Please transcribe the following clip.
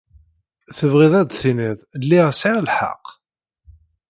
Tebɣiḍ ad d-tiniḍ lliɣ sɛiɣ lḥeqq?